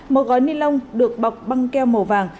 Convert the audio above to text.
một gói nilon được bọc băng keo màu vàng